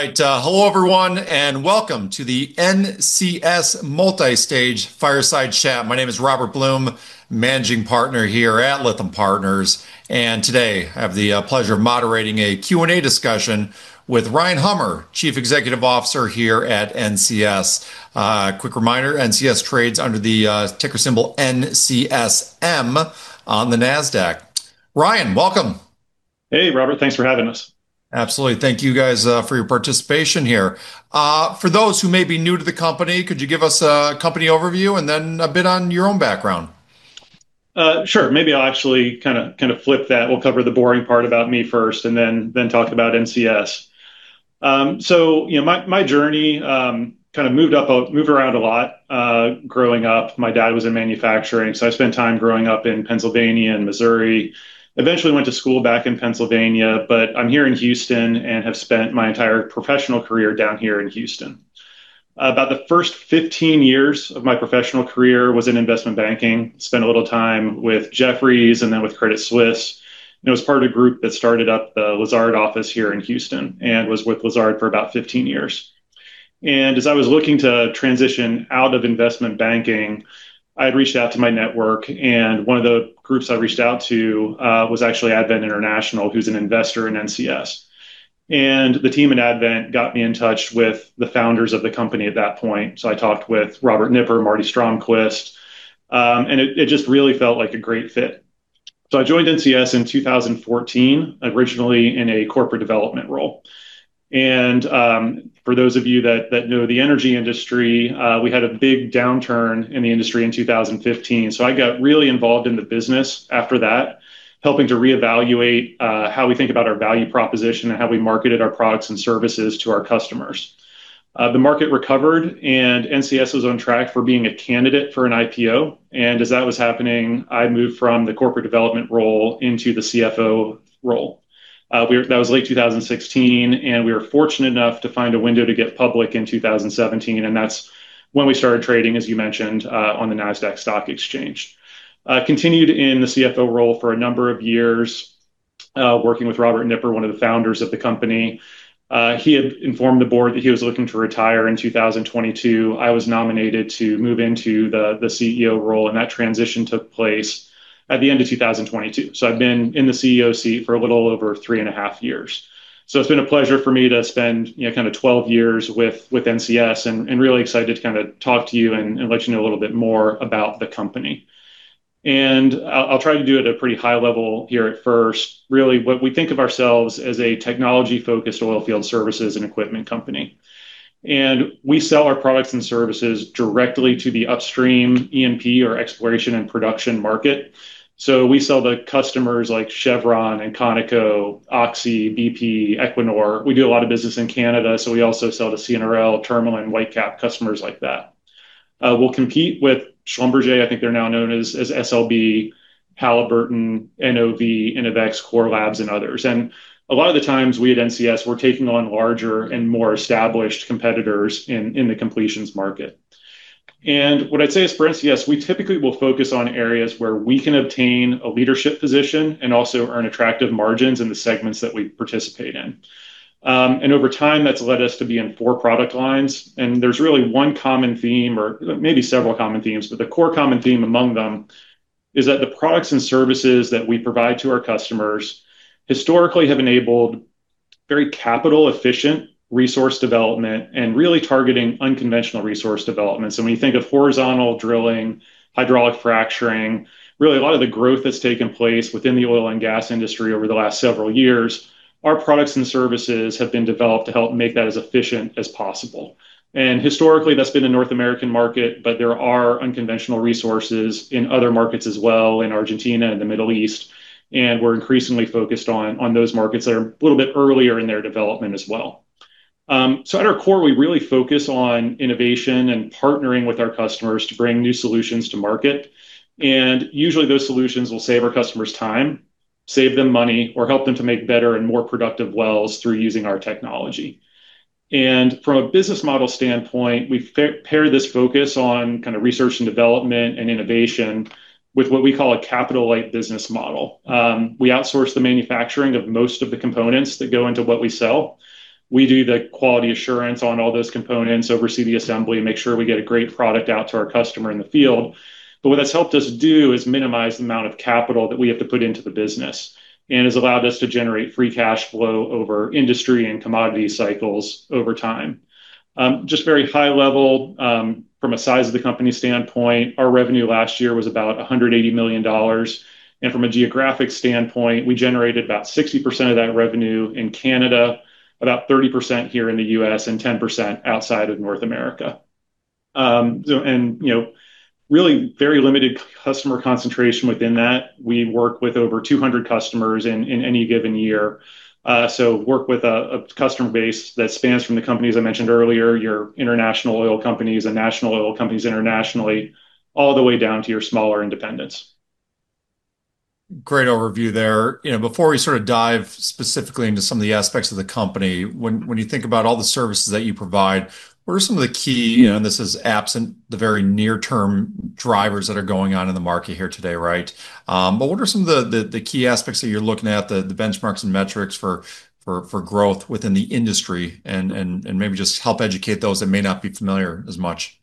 All right. Hello everyone, and welcome to the NCS Multistage Fireside Chat. My name is Robert Bloom, Managing Partner here at Lytham Partners. Today, I have the pleasure of moderating a Q&A discussion with Ryan Hummer, Chief Executive Officer here at NCS. Quick reminder, NCS trades under the ticker symbol NCSM on the Nasdaq. Ryan, welcome. Hey, Robert. Thanks for having us. Absolutely. Thank you guys for your participation here. For those who may be new to the company, could you give us a company overview and then a bit on your own background? Sure. Maybe I'll actually kinda flip that. We'll cover the boring part about me first and then talk about NCS. So, you know, my journey kinda moved around a lot growing up. My dad was in manufacturing, so I spent time growing up in Pennsylvania and Missouri. Eventually went to school back in Pennsylvania, but I'm here in Houston and have spent my entire professional career down here in Houston. About the first 15 years of my professional career was in investment banking. Spent a little time with Jefferies and then with Credit Suisse. Was part of a group that started up the Lazard office here in Houston and was with Lazard for about 15 years. As I was looking to transition out of investment banking, I had reached out to my network, and one of the groups I reached out to was actually Advent International, who's an investor in NCS. The team in Advent got me in touch with the founders of the company at that point. I talked with Robert Nipper, Marty Stromquist, and it just really felt like a great fit. I joined NCS in 2014, originally in a corporate development role. For those of you that know the energy industry, we had a big downturn in the industry in 2015. I got really involved in the business after that, helping to reevaluate how we think about our value proposition and how we marketed our products and services to our customers. The market recovered, and NCS was on track for being a candidate for an IPO. As that was happening, I moved from the corporate development role into the CFO role. That was late 2016, and we were fortunate enough to find a window to get public in 2017. And that's when we started trading, as you mentioned, on the Nasdaq Stock Market. Continued in the CFO role for a number of years, working with Robert Nipper, one of the founders of the company. He had informed the board that he was looking to retire in 2022. I was nominated to move into the CEO role, and that transition took place at the end of 2022. I've been in the CEO seat for a little over 3.5 years. It's been a pleasure for me to spend, you know, kinda 12 years with NCS and really excited to kinda talk to you and let you know a little bit more about the company. I'll try to do it at a pretty high level here at first. Really, what we think of ourselves as a technology-focused oil field services and equipment company. We sell our products and services directly to the upstream E&P or exploration and production market. We sell to customers like Chevron and Conoco, Oxy, BP, Equinor. We do a lot of business in Canada, so we also sell to CNRL, Tourmaline, Whitecap, customers like that. We'll compete with Schlumberger, I think they're now known as SLB, Halliburton, NOV, Innovex, Core Labs, and others. A lot of the times, we at NCS, we're taking on larger and more established competitors in the completions market. What I'd say is for NCS, we typically will focus on areas where we can obtain a leadership position and also earn attractive margins in the segments that we participate in. Over time, that's led us to be in four product lines, and there's really one common theme or maybe several common themes, but the core common theme among them is that the products and services that we provide to our customers historically have enabled very capital efficient resource development and really targeting unconventional resource development. When you think of horizontal drilling, hydraulic fracturing, really a lot of the growth that's taken place within the oil and gas industry over the last several years, our products and services have been developed to help make that as efficient as possible. Historically, that's been the North American market, but there are unconventional resources in other markets as well, in Argentina and the Middle East, and we're increasingly focused on those markets that are a little bit earlier in their development as well. At our core, we really focus on innovation and partnering with our customers to bring new solutions to market. Usually those solutions will save our customers time, save them money, or help them to make better and more productive wells through using our technology. From a business model standpoint, we pair this focus on kinda research and development and innovation with what we call a capital-light business model. We outsource the manufacturing of most of the components that go into what we sell. We do the quality assurance on all those components, oversee the assembly, make sure we get a great product out to our customer in the field. What that's helped us do is minimize the amount of capital that we have to put into the business and has allowed us to generate free cash flow over industry and commodity cycles over time. Just very high level, from a size of the company standpoint, our revenue last year was about $180 million. From a geographic standpoint, we generated about 60% of that revenue in Canada, about 30% here in the U.S., and 10% outside of North America. You know, really very limited customer concentration within that. We work with over 200 customers in any given year. We work with a customer base that spans from the companies I mentioned earlier, your international oil companies and national oil companies internationally, all the way down to your smaller independents. Great overview there. You know, before we sort of dive specifically into some of the aspects of the company, when you think about all the services that you provide, what are some of the key, you know, and this is absent the very near term drivers that are going on in the market here today, right? But what are some of the key aspects that you're looking at, the benchmarks and metrics for growth within the industry and maybe just help educate those that may not be familiar as much?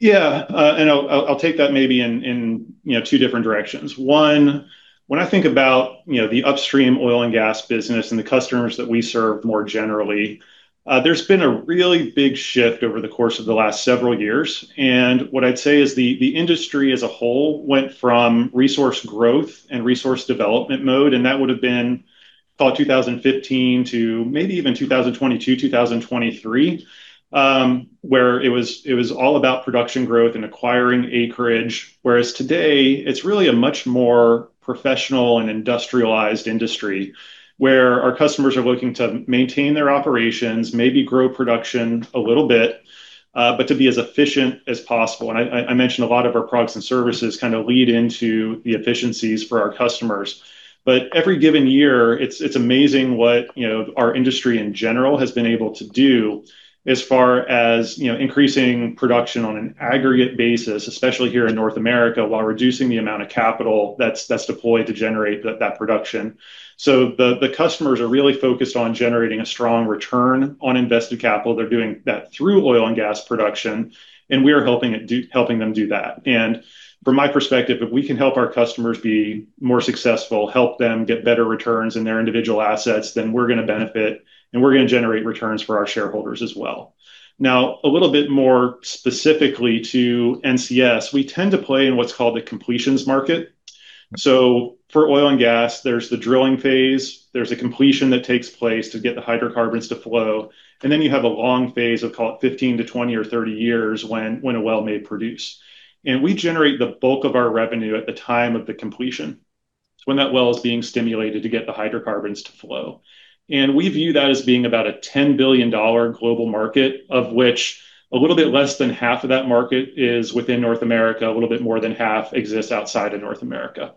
Yeah. I'll take that maybe in, you know, two different directions. One, when I think about, you know, the upstream oil and gas business and the customers that we serve more generally, there's been a really big shift over the course of the last several years. What I'd say is the industry as a whole went from resource growth and resource development mode, and that would've been call it 2015 to maybe even 2022, 2023, where it was all about production growth and acquiring acreage. Whereas today it's really a much more professional and industrialized industry where our customers are looking to maintain their operations, maybe grow production a little bit, but to be as efficient as possible. I mentioned a lot of our products and services kind of lead into the efficiencies for our customers. Every given year, it's amazing what, you know, our industry in general has been able to do as far as, you know, increasing production on an aggregate basis, especially here in North America, while reducing the amount of capital that's deployed to generate that production. The customers are really focused on generating a strong return on invested capital. They're doing that through oil and gas production, and we are helping them do that. From my perspective, if we can help our customers be more successful, help them get better returns in their individual assets, then we're gonna benefit, and we're gonna generate returns for our shareholders as well. Now, a little bit more specifically to NCS, we tend to play in what's called the completions market. For oil and gas, there's the drilling phase, there's a completion that takes place to get the hydrocarbons to flow, and then you have a long phase of, call it 15 to 20 or 30 years when a well may produce. We generate the bulk of our revenue at the time of the completion. It's when that well is being stimulated to get the hydrocarbons to flow. We view that as being about a $10 billion global market, of which a little bit less than half of that market is within North America, a little bit more than half exists outside of North America.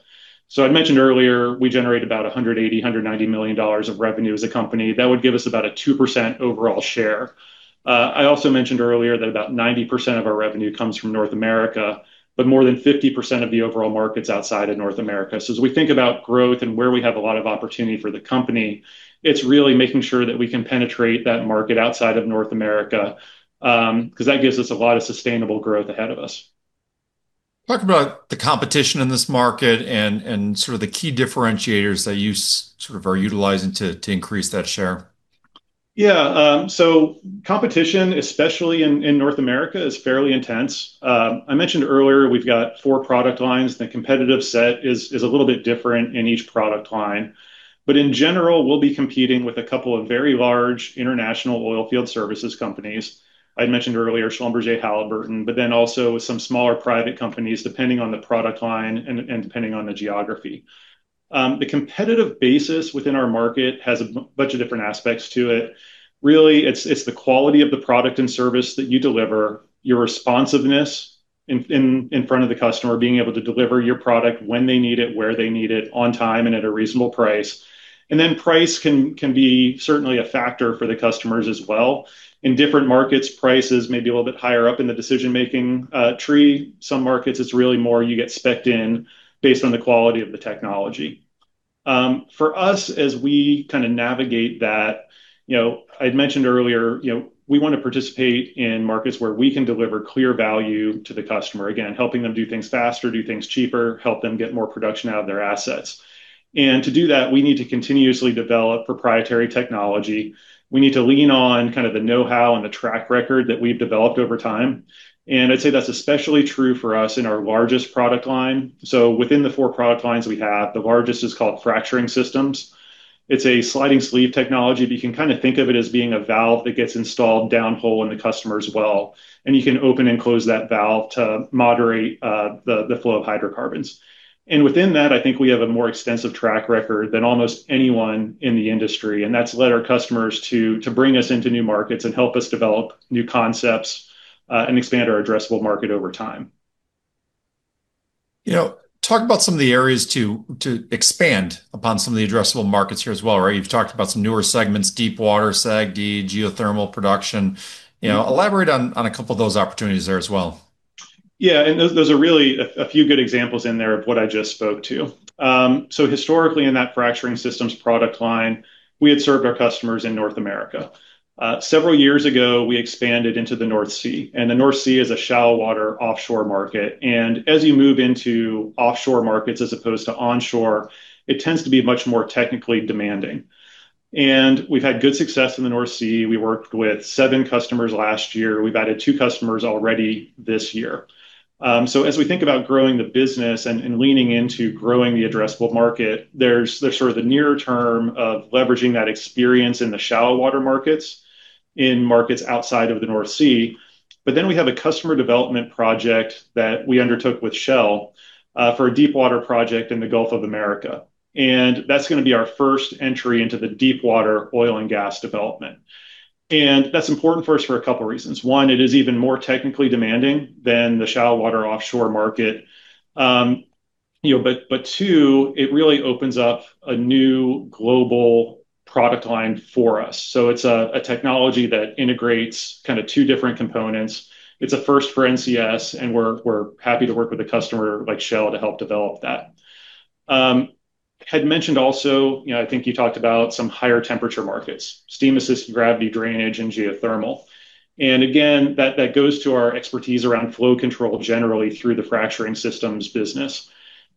I'd mentioned earlier we generate about $180-$190 million of revenue as a company. That would give us about a 2% overall share. I also mentioned earlier that about 90% of our revenue comes from North America, but more than 50% of the overall market's outside of North America. As we think about growth and where we have a lot of opportunity for the company, it's really making sure that we can penetrate that market outside of North America, 'cause that gives us a lot of sustainable growth ahead of us. Talk about the competition in this market and sort of the key differentiators that you sort of are utilizing to increase that share. Yeah. So competition, especially in North America, is fairly intense. I mentioned earlier we've got four product lines, and the competitive set is a little bit different in each product line. In general, we'll be competing with a couple of very large international oil field services companies. I'd mentioned earlier Schlumberger, Halliburton, but then also with some smaller private companies, depending on the product line and depending on the geography. The competitive basis within our market has a bunch of different aspects to it. Really, it's the quality of the product and service that you deliver, your responsiveness in front of the customer, being able to deliver your product when they need it, where they need it, on time and at a reasonable price. Price can be certainly a factor for the customers as well. In different markets, price is maybe a little bit higher up in the decision-making tree. Some markets, it's really more you get specced in based on the quality of the technology. For us as we kinda navigate that, you know, I'd mentioned earlier, you know, we wanna participate in markets where we can deliver clear value to the customer. Again, helping them do things faster, do things cheaper, help them get more production out of their assets. To do that, we need to continuously develop proprietary technology. We need to lean on kind of the know-how and the track record that we've developed over time. I'd say that's especially true for us in our largest product line. Within the four product lines we have, the largest is called fracturing systems. It's a sliding sleeve technology, but you can kind of think of it as being a valve that gets installed downhole in the customer's well, and you can open and close that valve to moderate the flow of hydrocarbons. Within that, I think we have a more extensive track record than almost anyone in the industry, and that's led our customers to bring us into new markets and help us develop new concepts, and expand our addressable market over time. You know, talk about some of the areas to expand upon some of the addressable markets here as well, right? You've talked about some newer segments, deepwater, SAGD, geothermal production. You know, elaborate on a couple of those opportunities there as well. Yeah. Those are really a few good examples in there of what I just spoke to. Historically in that fracturing systems product line, we had served our customers in North America. Several years ago we expanded into the North Sea, and the North Sea is a shallow water offshore market. As you move into offshore markets as opposed to onshore, it tends to be much more technically demanding. We've had good success in the North Sea. We worked with seven customers last year. We've added two customers already this year. As we think about growing the business and leaning into growing the addressable market, there's sort of the near term of leveraging that experience in the shallow water markets, in markets outside of the North Sea. We have a customer development project that we undertook with Shell for a deepwater project in the Gulf of Mexico, and that's gonna be our first entry into the deepwater oil and gas development. That's important for us for a couple reasons. One, it is even more technically demanding than the shallow water offshore market. You know, but two, it really opens up a new global product line for us. It's a technology that integrates kind of two different components. It's a first for NCS, and we're happy to work with a customer like Shell to help develop that. So, I had mentioned also, you know, I think you talked about some higher temperature markets, steam-assisted gravity drainage and geothermal. That goes to our expertise around flow control generally through the fracturing systems business.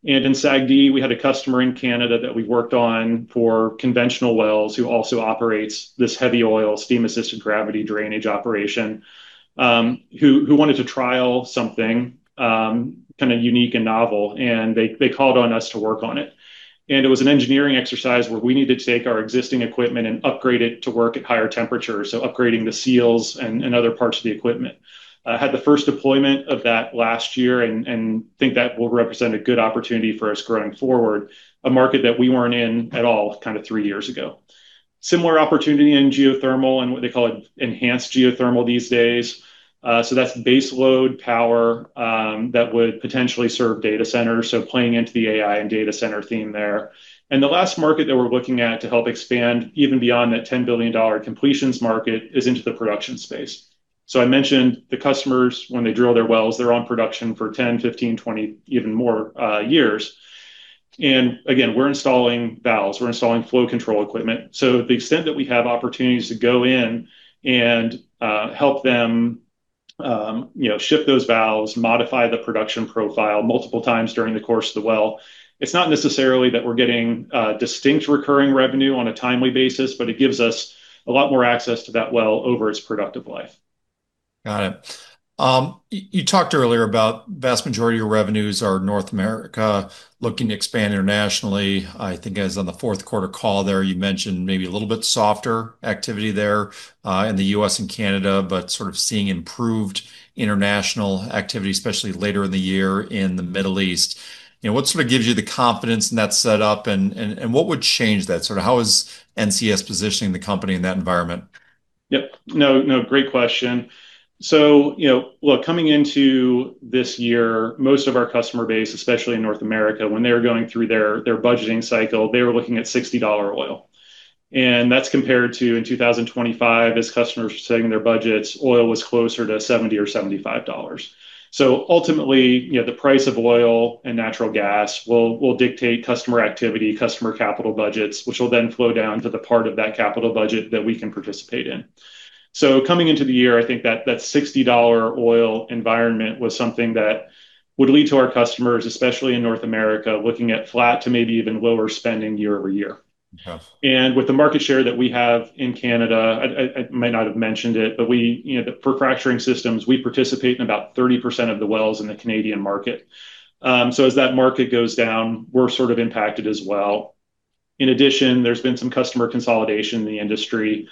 In SAGD, we had a customer in Canada that we worked on for conventional wells, who also operates this heavy oil steam-assisted gravity drainage operation, who wanted to trial something kinda unique and novel, and they called on us to work on it. It was an engineering exercise where we needed to take our existing equipment and upgrade it to work at higher temperatures, so upgrading the seals and other parts of the equipment. We had the first deployment of that last year and think that will represent a good opportunity for us growing forward, a market that we weren't in at all kinda three years ago. Similar opportunity in geothermal and what they call enhanced geothermal these days. That's base load power that would potentially serve data centers, so playing into the AI and data center theme there. The last market that we're looking at to help expand even beyond that $10 billion completions market is into the production space. I mentioned the customers, when they drill their wells, they're on production for 10, 15, 20, even more years. Again, we're installing valves, we're installing flow control equipment. To the extent that we have opportunities to go in and help them, you know, shift those valves, modify the production profile multiple times during the course of the well, it's not necessarily that we're getting distinct recurring revenue on a timely basis, but it gives us a lot more access to that well over its productive life. Got it. You talked earlier about vast majority of revenues are in North America looking to expand internationally. I think as on the fourth quarter call there, you mentioned maybe a little bit softer activity there in the U.S. and Canada, but sort of seeing improved international activity, especially later in the year in the Middle East. You know, what sort of gives you the confidence in that setup and what would change that? Sort of how is NCS positioning the company in that environment? Yep. No, no, great question. You know, look, coming into this year, most of our customer base, especially in North America, when they were going through their budgeting cycle, they were looking at $60 oil. That's compared to in 2025, as customers were setting their budgets, oil was closer to $70 or $75. Ultimately, you know, the price of oil and natural gas will dictate customer activity, customer capital budgets, which will then flow down to the part of that capital budget that we can participate in. Coming into the year, I think that $60 oil environment was something that would lead to our customers, especially in North America, looking at flat to maybe even lower spending year-over-year. Yeah. With the market share that we have in Canada, I may not have mentioned it, but we—you know, for fracturing systems, we participate in about 30% of the wells in the Canadian market. So as that market goes down, we're sort of impacted as well. In addition, there's been some customer consolidation in the industry,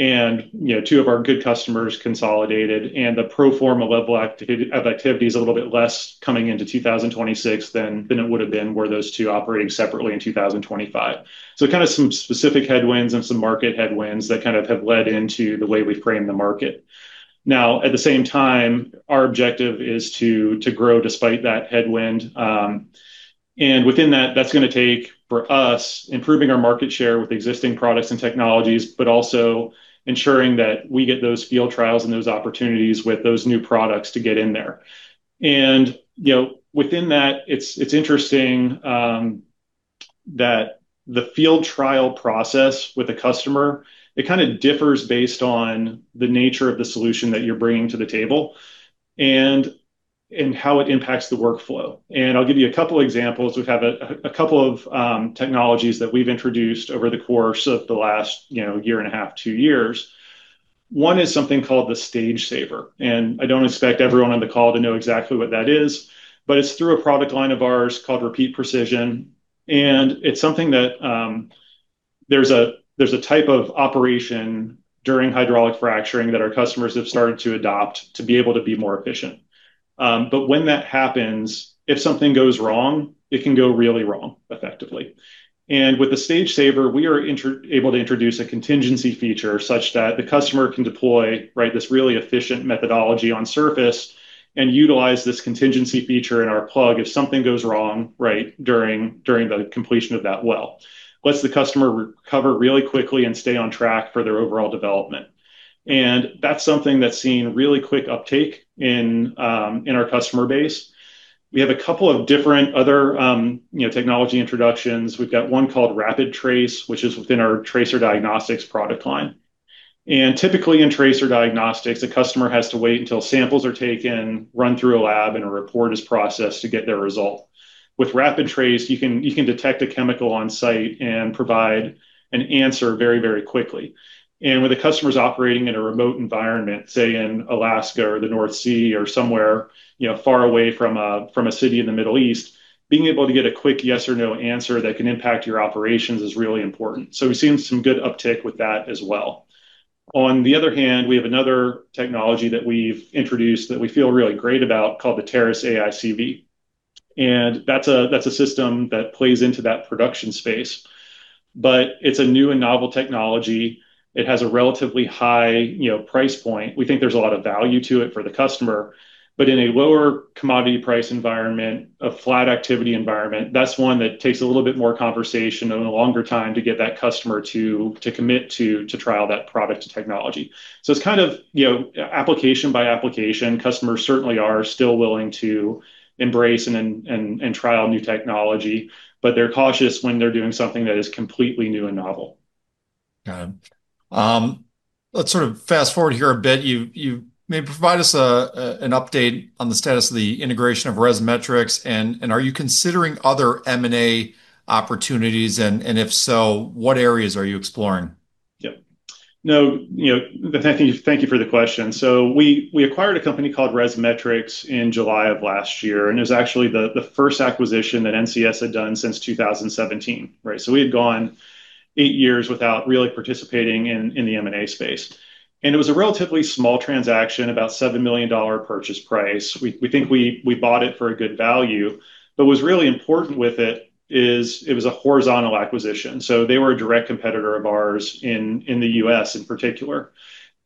and, you know, two of our good customers consolidated, and the pro forma level of activity is a little bit less coming into 2026 than it would have been were those two operating separately in 2025. Kind of some specific headwinds and some market headwinds that kind of have led into the way we've framed the market. Now, at the same time, our objective is to grow despite that headwind, and within that's gonna take, for us, improving our market share with existing products and technologies, but also ensuring that we get those field trials and those opportunities with those new products to get in there. You know, within that, it's interesting that the field trial process with a customer kinda differs based on the nature of the solution that you're bringing to the table and how it impacts the workflow. I'll give you a couple examples. We have a couple of technologies that we've introduced over the course of the last, you know, year and a half, two years. One is something called the StageSaver, and I don't expect everyone on the call to know exactly what that is, but it's through a product line of ours called Repeat Precision. It's something that, there's a type of operation during hydraulic fracturing that our customers have started to adopt to be able to be more efficient. But when that happens, if something goes wrong, it can go really wrong effectively. With the StageSaver, we are able to introduce a contingency feature such that the customer can deploy, right, this really efficient methodology on surface and utilize this contingency feature in our plug if something goes wrong, right, during the completion of that well. It lets the customer recover really quickly and stay on track for their overall development. That's something that's seen really quick uptake in our customer base. We have a couple of different other, you know, technology introductions. We've got one called RapidTrace, which is within our tracer diagnostics product line. Typically in tracer diagnostics, a customer has to wait until samples are taken, run through a lab, and a report is processed to get their result. With RapidTrace, you can detect a chemical on-site and provide an answer very, very quickly. When the customer's operating in a remote environment, say in Alaska or the North Sea or somewhere, you know, far away from a city in the Middle East, being able to get a quick yes or no answer that can impact your operations is really important. We've seen some good uptick with that as well. On the other hand, we have another technology that we've introduced that we feel really great about called the Terrace AICV. That's a system that plays into that production space. It's a new and novel technology. It has a relatively high, you know, price point. We think there's a lot of value to it for the customer. In a lower commodity price environment, a flat activity environment, that's one that takes a little bit more conversation and a longer time to get that customer to commit to trial that product technology. It's kind of, you know, application by application, customers certainly are still willing to embrace and trial new technology, but they're cautious when they're doing something that is completely new and novel. Let's sort of fast-forward here a bit. You may provide us an update on the status of the integration of ResMetrics, and are you considering other M&A opportunities? If so, what areas are you exploring? Yeah. No, you know, thank you for the question. We acquired a company called ResMetrics in July of last year, and it was actually the first acquisition that NCS had done since 2017, right? We had gone 8 years without really participating in the M&A space. It was a relatively small transaction, about $7 million purchase price. We think we bought it for a good value. What's really important with it is it was a horizontal acquisition, so they were a direct competitor of ours in the U.S. in particular.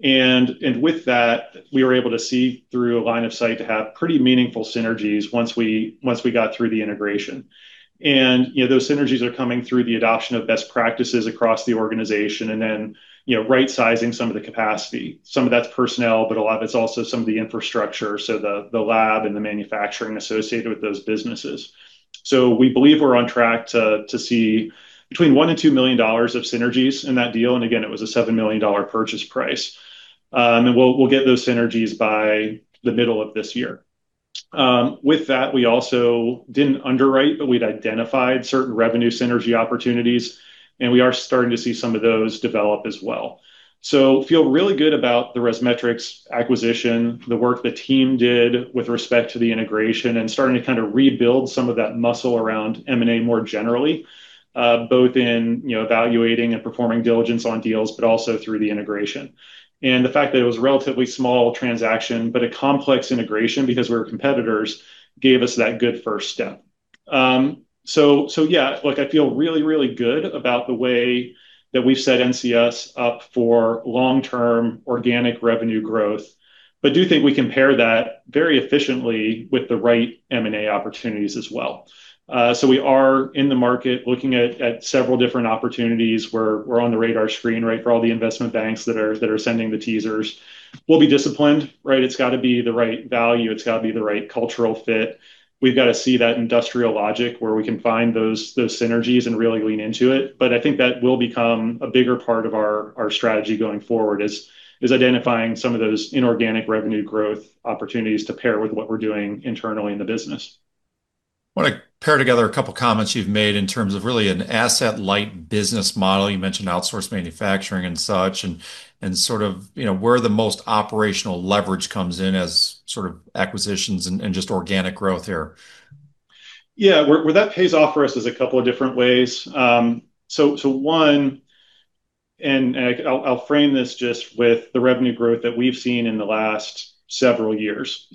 With that, we were able to see through a line of sight to have pretty meaningful synergies once we got through the integration. You know, those synergies are coming through the adoption of best practices across the organization, and then, you know, rightsizing some of the capacity. Some of that's personnel, but a lot of it's also some of the infrastructure, so the lab and the manufacturing associated with those businesses. We believe we're on track to see between $1 million and $2 million of synergies in that deal, and again, it was a $7 million purchase price. We'll get those synergies by the middle of this year. With that, we also didn't underwrite, but we'd identified certain revenue synergy opportunities, and we are starting to see some of those develop as well. Feel really good about the ResMetrics acquisition, the work the team did with respect to the integration and starting to kind of rebuild some of that muscle around M&A more generally, both in, you know, evaluating and performing diligence on deals, but also through the integration. The fact that it was a relatively small transaction, but a complex integration because we were competitors, gave us that good first step. Yeah, look, I feel really, really good about the way that we've set NCS up for long-term organic revenue growth. Do think we can pair that very efficiently with the right M&A opportunities as well. We are in the market looking at several different opportunities. We're on the radar screen, right, for all the investment banks that are sending the teasers. We'll be disciplined, right? It's got to be the right value. It's got to be the right cultural fit. We've got to see that industrial logic where we can find those synergies and really lean into it. But I think that will become a bigger part of our strategy going forward, is identifying some of those inorganic revenue growth opportunities to pair with what we're doing internally in the business. Want to pair together a couple of comments you've made in terms of really an asset-light business model. You mentioned outsourced manufacturing and such, and sort of, you know, where the most operational leverage comes in as sort of acquisitions and just organic growth here. Where that pays off for us is a couple of different ways. One, and I'll frame this just with the revenue growth that we've seen in the last several years.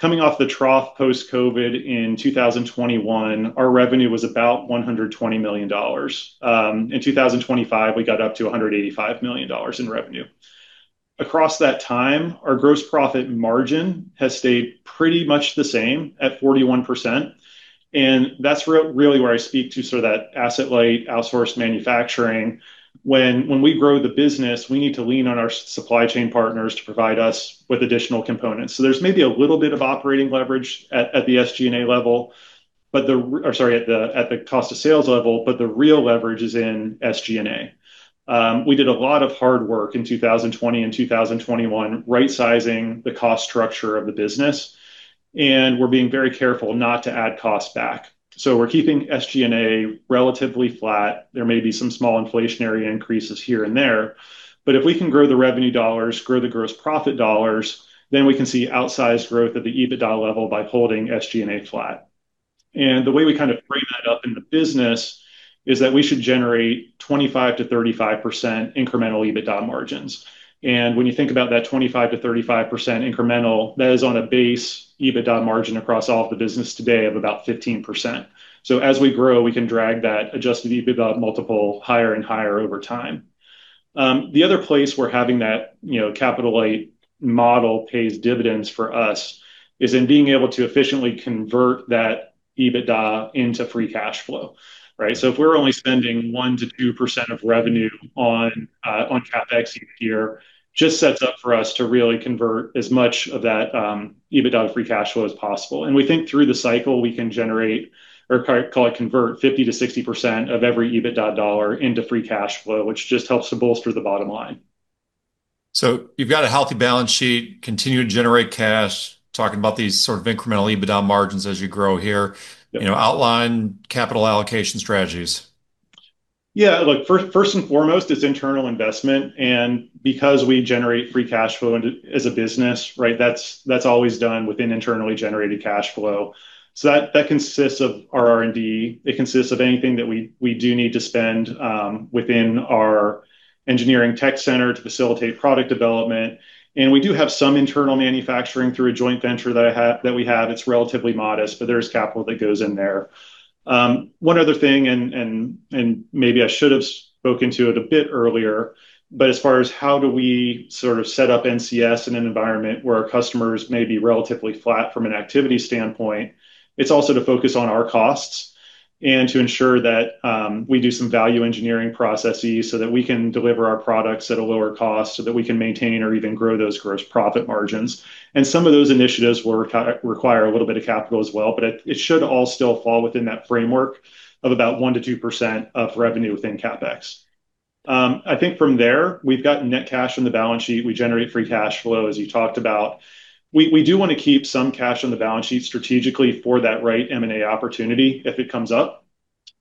Coming off the trough post-COVID in 2021, our revenue was about $120 million. In 2025, we got up to $185 million in revenue. Across that time, our gross profit margin has stayed pretty much the same at 41%, and that's really where I speak to sort of that asset-light outsourced manufacturing. When we grow the business, we need to lean on our supply chain partners to provide us with additional components. There's maybe a little bit of operating leverage at the SG&A level, but at the cost of sales level, but the real leverage is in SG&A. We did a lot of hard work in 2020 and 2021 rightsizing the cost structure of the business, and we're being very careful not to add cost back. We're keeping SG&A relatively flat. There may be some small inflationary increases here and there, but if we can grow the revenue dollars, grow the gross profit dollars, then we can see outsized growth at the EBITDA level by holding SG&A flat. The way we kind of frame that up in the business is that we should generate 25%-35% incremental EBITDA margins. When you think about that 25%-35% incremental, that is on a base EBITDA margin across all of the business today of about 15%. As we grow, we can drag that adjusted EBITDA multiple higher and higher over time. The other place we're having that, you know, capital-light model pays dividends for us is in being able to efficiently convert that EBITDA into free cash flow, right? If we're only spending 1%-2% of revenue on CapEx each year, just sets up for us to really convert as much of that EBITDA free cash flow as possible. We think through the cycle, we can generate or call it convert 50%-60% of every EBITDA dollar into free cash flow, which just helps to bolster the bottom line. You've got a healthy balance sheet, continue to generate cash, talking about these sort of incremental EBITDA margins as you grow here. Yeah. You know, outline capital allocation strategies. Yeah. Look, first and foremost, it's internal investment. Because we generate free cash flow as a business, right? That's always done within internally generated cash flow. That consists of our R&D. It consists of anything that we do need to spend within our engineering tech center to facilitate product development. We do have some internal manufacturing through a joint venture that we have. It's relatively modest, but there is capital that goes in there. One other thing, and maybe I should have spoken to it a bit earlier, but as far as how do we sort of set up NCS in an environment where our customers may be relatively flat from an activity standpoint, it's also to focus on our costs and to ensure that we do some value engineering processes so that we can deliver our products at a lower cost so that we can maintain or even grow those gross profit margins. Some of those initiatives will require a little bit of capital as well, but it should all still fall within that framework of about 1%-2% of revenue within CapEx. I think from there, we've got net cash on the balance sheet. We generate free cash flow, as you talked about. We do wanna keep some cash on the balance sheet strategically for that right M&A opportunity if it comes up.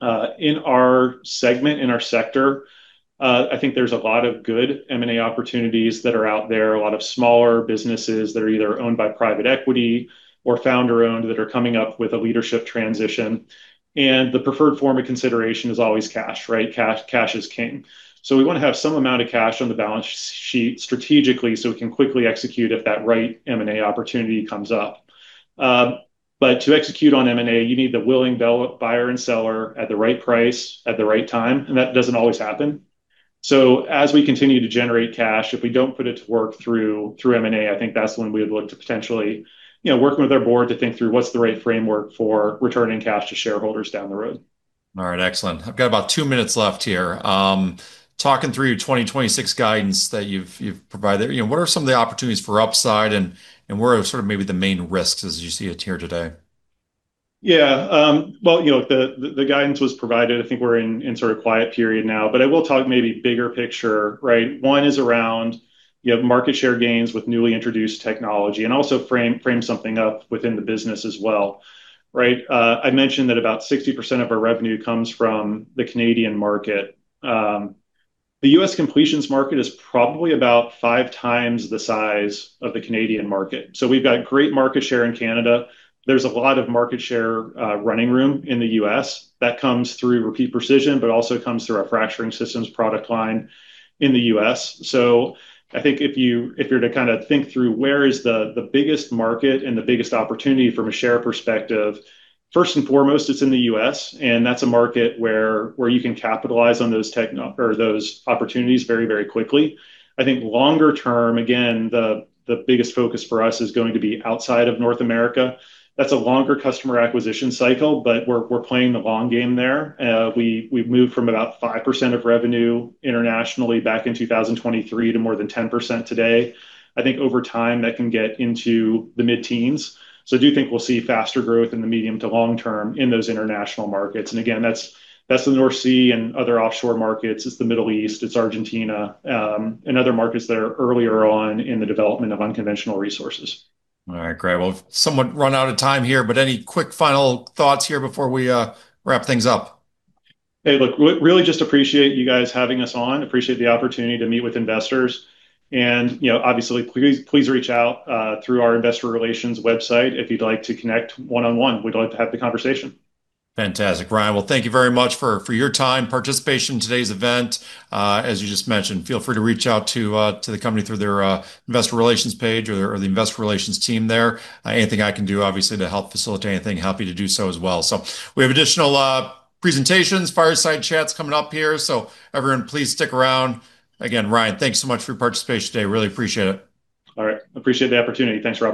In our segment, in our sector, I think there's a lot of good M&A opportunities that are out there, a lot of smaller businesses that are either owned by private equity or founder-owned that are coming up with a leadership transition, and the preferred form of consideration is always cash, right? Cash is king. We wanna have some amount of cash on the balance sheet strategically so we can quickly execute if that right M&A opportunity comes up. To execute on M&A, you need the willing buyer and seller at the right price at the right time, and that doesn't always happen. As we continue to generate cash, if we don't put it to work through M&A, I think that's when we would look to potentially, you know, work with our board to think through what's the right framework for returning cash to shareholders down the road. All right, excellent. I've got about two minutes left here. Talking through your 2026 guidance that you've provided, you know, what are some of the opportunities for upside and where are sort of maybe the main risks as you see it here today? Yeah. Well, you know, the guidance was provided. I think we're in sort of quiet period now, but I will talk maybe bigger picture, right? One is around you have market share gains with newly introduced technology and also frame something up within the business as well, right? I mentioned that about 60% of our revenue comes from the Canadian market. The U.S. completions market is probably about five times the size of the Canadian market. So we've got great market share in Canada. There's a lot of market share running room in the U.S. that comes through Repeat Precision, but also comes through our fracturing systems product line in the U.S. I think if you're to kinda think through where is the biggest market and the biggest opportunity from a share perspective, first and foremost, it's in the U.S., and that's a market where you can capitalize on those opportunities very, very quickly. I think longer term, again, the biggest focus for us is going to be outside of North America. That's a longer customer acquisition cycle, but we're playing the long game there. We've moved from about 5% of revenue internationally back in 2023 to more than 10% today. I think over time, that can get into the mid-teens. I do think we'll see faster growth in the medium to long term in those international markets. Again, that's the North Sea and other offshore markets. It's the Middle East. It's Argentina, and other markets that are earlier on in the development of unconventional resources. All right, great. Well, we've somewhat run out of time here, but any quick final thoughts here before we wrap things up? Hey, look, really just appreciate you guys having us on. Appreciate the opportunity to meet with investors and, you know, obviously, please reach out through our investor relations website if you'd like to connect one-on-one. We'd like to have the conversation. Fantastic. Ryan, thank you very much for your time, participation in today's event. As you just mentioned, feel free to reach out to the company through their investor relations page or the investor relations team there. Anything I can do obviously to help facilitate anything, happy to do so as well. We have additional presentations, fireside chats coming up here. Everyone please stick around. Again, Ryan, thanks so much for your participation today. Really appreciate it. All right. Appreciate the opportunity. Thanks, Robert.